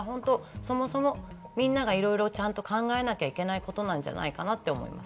そもそもみんながちゃんと考えなきゃいけないことなんじゃないかなと思います。